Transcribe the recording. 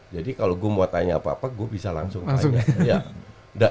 jadi kalau gue mau tanya apa apa gue bisa langsung tanya